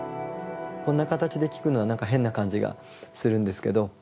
こんな形で聞くのはなんか変な感じがするんですけど。